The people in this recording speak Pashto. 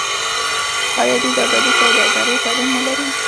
آیا دوی د ازادې سوداګرۍ تړون نلري؟